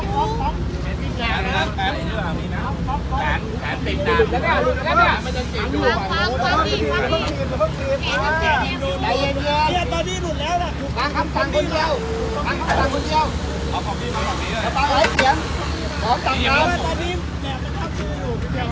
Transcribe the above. มคเปอร์ดรีปมคเปอร์ดรีปคเปอร์ดรีตคพคเปอร์ดรีความผิดพอสูญเป็นหนังที่ใกล้หัว